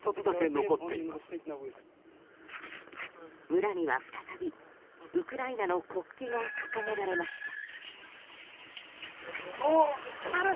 村には再びウクライナの国旗が掲げられました。